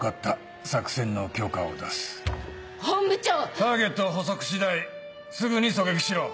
ターゲットを捕捉次第すぐに狙撃しろ。